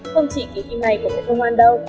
không chỉ kỳ kỳ này của công an đâu